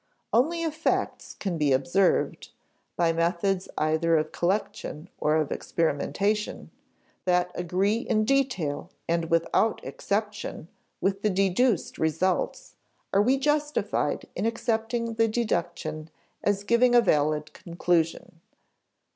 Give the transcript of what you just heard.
Only if facts can be observed (by methods either of collection or of experimentation), that agree in detail and without exception with the deduced results, are we justified in accepting the deduction as giving a valid conclusion.